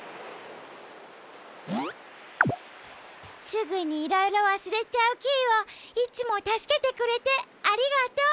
すぐにいろいろわすれちゃうキイをいつもたすけてくれてありがとう。